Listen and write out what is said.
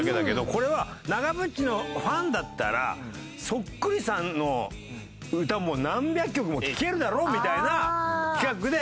これは長渕のファンだったらそっくりさんの歌も何百曲も聴けるだろみたいな企画で。